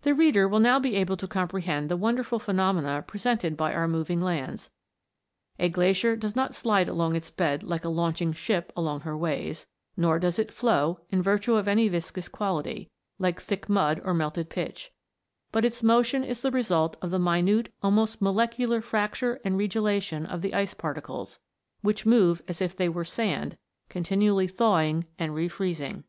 The reader will now be able to comprehend the wonderful phenomena presented by our moving lands; a glacier does not slide along its bed like a launching ship along her ways, nor does it flow, in virtue of any viscous quality, like thick mud or melted pitch ; but its motion is the result of the minute, almost molecular, fracture and regelation of the ice particles, which move as if they were sand, continually thawing and re freezing. 202 MOVING LANDS.